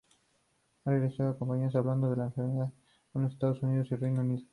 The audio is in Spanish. Ha realizado campañas hablando de la enfermedad en Estados Unidos y Reino Unido.